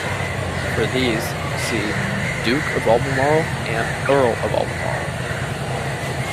For these, see "Duke of Albemarle" and "Earl of Albemarle".